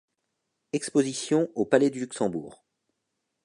Exposition au palais du Luxembourg.